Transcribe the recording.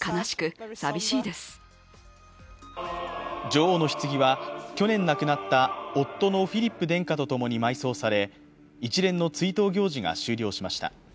女王のひつぎは去年亡くなった夫のフィリップ殿下とともに埋葬され一連の追悼行事が終了しました。